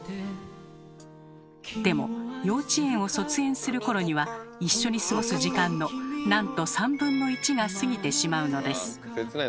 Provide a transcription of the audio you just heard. でも幼稚園を卒園する頃には一緒に過ごす時間のなんと３分の１が過ぎてしまうのです。